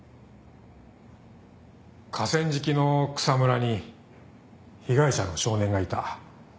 河川敷の草むらに被害者の少年がいた。